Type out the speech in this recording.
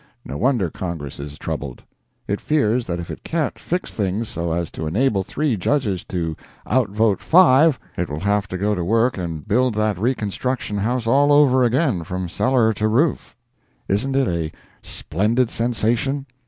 No wonder Congress is troubled. It fears that if it can't fix things so as to enable three Judges to out vote five, it will have to go to work and build that Reconstruction House all over again, from cellar to roof. Isn't it a splendid sensation?